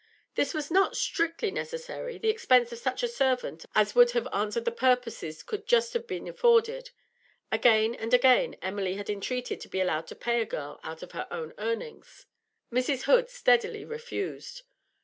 This was not strictly necessary; the expense of such a servant as would have answered purposes could just have been afforded; again and again Emily had entreated to be allowed to pay a girl out of her own earnings. Mrs. Hood steadily refused.